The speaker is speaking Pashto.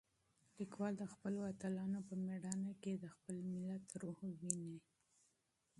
لیکوال د خپلو اتلانو په مېړانه کې د خپل ملت روح وینه.